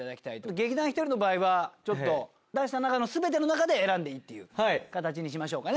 劇団ひとりの場合は出した中の全ての中で選んでいいっていう形にしましょうかね